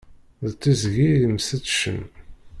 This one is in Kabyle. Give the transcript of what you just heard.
D tiẓgi yemseččen.